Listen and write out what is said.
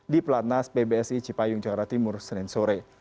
di pelatnas pbsi cipayung jawa timur senin sore